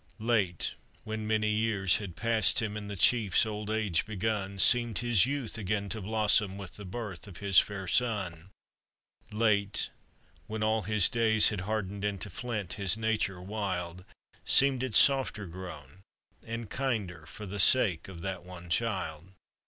Late, when many years had passed him, And the chief's old age begun, Seemed his youth again to blossom, With the birth of his fair son. Late, when all his days had hardened Into flint his nature wild, Seemed it softer grown and kinder, For the sake of that one child.